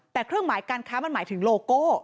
แต่เครื่องหมายการค้ามันหมายถึงโลโก้